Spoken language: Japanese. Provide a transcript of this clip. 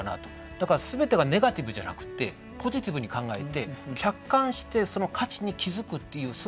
だから全てがネガティブじゃなくってポジティブに考えて客観視してその価値に気付くっていうそういう期間だったかもしれないですね。